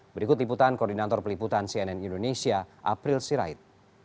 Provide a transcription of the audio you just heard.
berikut liputan koordinator peliputan cnn indonesia april sirait